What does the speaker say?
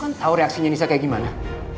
tahu reaksinya nisa kayak gimana